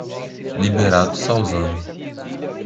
Liberato Salzano